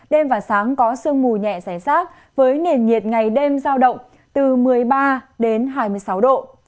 đêm và sáng có sương mù nhẹ giải sát với nền nhiệt ngày đêm giao động từ một mươi ba đến hai mươi sáu độ